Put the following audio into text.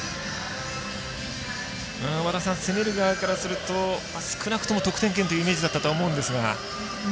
攻める側からすると、少なくとも得点圏というイメージだったと思うんですが。